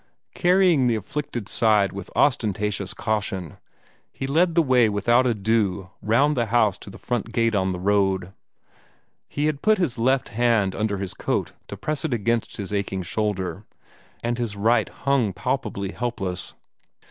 Carrying the afflicted side with ostentatious caution, he led the way without ado round the house to the front gate on the road. He had put his left hand under his coat to press it against his aching shoulder, and his right hung palpably helpless.